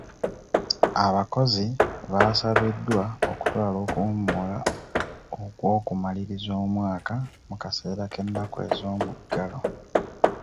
Abakozi baasabiddwa okutwala okuwummula okw'okumaliriza omwaka mu kaseera k'ennaku z'omuggalo.